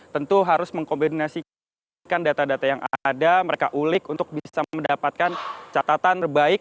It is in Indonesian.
tentu harus mengkombinasikan data data yang ada mereka ulik untuk bisa mendapatkan catatan terbaik